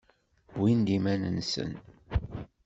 Wwin-d iman-nsen.